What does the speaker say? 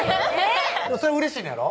それはうれしいねやろ？